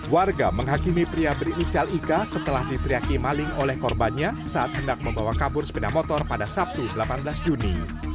warga menghakimi pria berinisial ika setelah ditriaki maling oleh korbannya saat hendak membawa kabur sepeda motor pada sabtu delapan belas juni